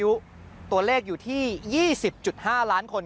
กลับวันนั้นไม่เอาหน่อย